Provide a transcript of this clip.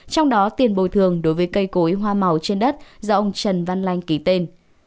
trong đó tiền bồi thường đối với cây cối hoa màu trên đất do ông trần văn lanh ký tên